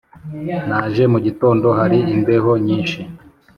naje mu gitondo hari imbeho nyinshi